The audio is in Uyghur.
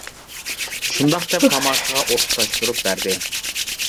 شۇنداق دەپ تاماكىغا ئوت تۇتاشتۇرۇپ بەردى!